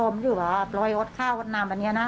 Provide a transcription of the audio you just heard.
ปล่อยชาวที่กักกว่ำแม่นี้นะ